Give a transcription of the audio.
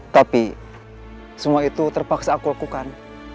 tapi semua itu terpaksa aku lakukan